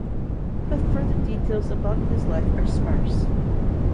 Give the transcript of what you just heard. But further details about his life are sparse.